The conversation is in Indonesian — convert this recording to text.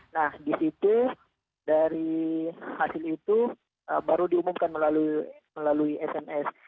nah di situ dari hasil itu baru diumumkan melalui sms